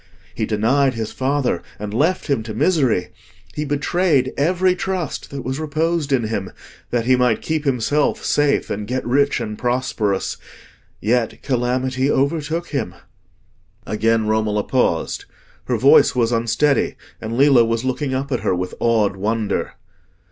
He denied his father, and left him to misery; he betrayed every trust that was reposed in him, that he might keep himself safe and get rich and prosperous. Yet calamity overtook him." Again Romola paused. Her voice was unsteady, and Lillo was looking up at her with awed wonder.